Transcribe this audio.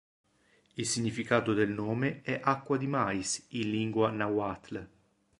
Il significato del nome è "Acqua di mais" in lingua nahuatl.